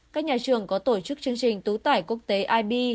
các nhà trường có tổ chức chương trình tú tải quốc tế ib